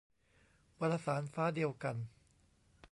วารสาร ฟ้าเดียวกัน